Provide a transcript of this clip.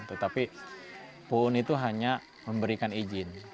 tetapi pun itu hanya memberikan izin